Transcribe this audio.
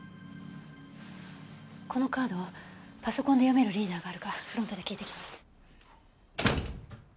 このカードをパソコンで読めるリーダーがあるかフロントで聞いてきます。